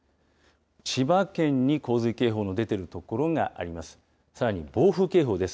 千葉県に洪水警報の出ている所があります。